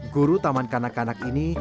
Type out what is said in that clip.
guru taman kanak kanak ini